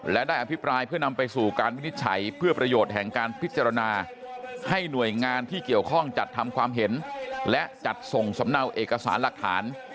และได้อภิปรายเพื่อนำไปสู่การวินิจฉัยเพื่อประโยชน์แห่งการพิจารณาให้หน่วยงานที่เกี่ยวข้องจัดทำความเห็นและจัดส่งสำเนาเอกสารหลักฐาน